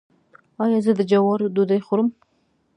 ایا زه د جوارو ډوډۍ وخورم؟